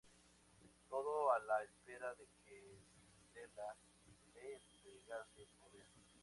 Todo a la espera de que Videla le entregase el poder.